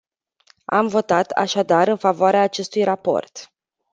Am votat, așadar, în favoarea acestui raport.